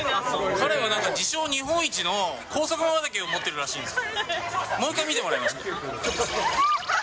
彼はなんか、自称、日本一の高速まばたきを持ってるらしいんですよ。